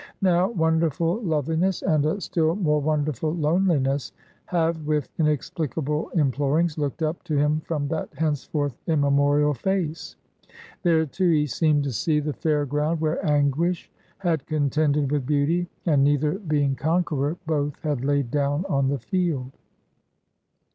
Now, wonderful loveliness, and a still more wonderful loneliness, have with inexplicable implorings, looked up to him from that henceforth immemorial face. There, too, he seemed to see the fair ground where Anguish had contended with Beauty, and neither being conqueror, both had laid down on the field.